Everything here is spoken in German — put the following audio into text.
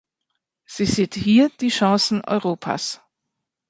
Sie sieht hier die Chancen Europas.